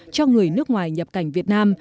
cho người nước ngoài nhập cảnh việt nam